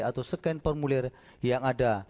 atau scan formulir yang ada